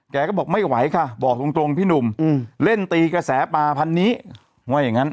แกก็บอกไม่ไหวค่ะบอกตรงพี่หนุ่มเล่นตีกระแสปลาพันนี้ว่าอย่างงั้น